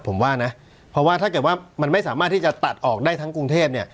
ผมว่านะเพราะว่าถ้าเกิดว่ามันไม่สามารถที่จะตัดออกได้ทั้งกรุงเทพเนี่ย